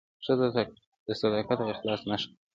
ښځه د صداقت او اخلاص نښه ده.